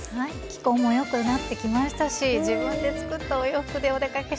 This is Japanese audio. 気候も良くなってきましたし自分で作ったお洋服でお出かけしたいですよね。